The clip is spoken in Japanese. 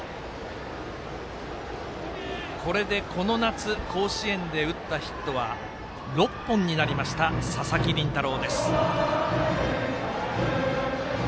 これで、この夏甲子園で打ったヒットは６本になりました、佐々木麟太郎。